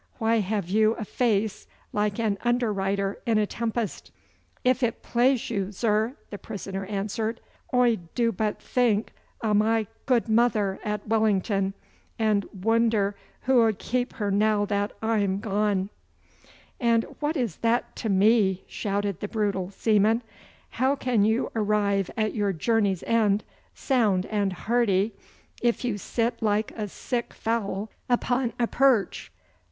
Why have you a face like an underwriter in a tempest?' 'If it plaize you, zur,' the prisoner answered, 'Oi do but think o' m' ould mother at Wellington, and woonder who will kape her now that Oi'm gone!' 'And what is that to me?' shouted the brutal seaman. 'How can you arrive at your journey's end sound and hearty if you sit like a sick fowl upon a perch?